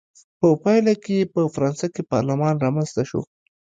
په پایله کې یې په فرانسه کې پارلمان رامنځته شو.